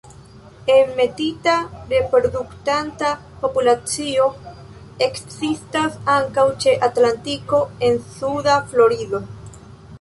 Enmetita reproduktanta populacio ekzistas ankaŭ ĉe Atlantiko en suda Florido.